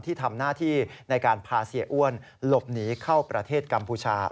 ที่ทำหน้าที่ในการพาเสียอ้วนหลบหนีเข้าประเทศกัมพูชา